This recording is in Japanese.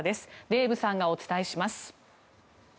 デーブさんがお伝えします。